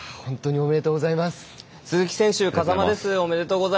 おめでとうございます。